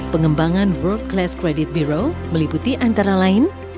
pengembangan world class credit biro meliputi antara lain